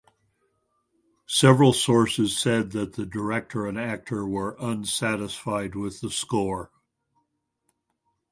Several sources said that the director and actor were unsatisfied with the score.